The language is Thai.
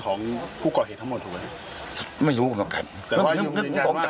ของผู้ก่อเหตุทั้งหมดไม่รู้กันแต่ว่ายังยังว่าไม่ใช่